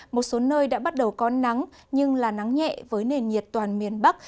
một số nơi đã bắt đầu có nắng nhưng là nắng nhẹ với nền nhiệt toàn miền bắc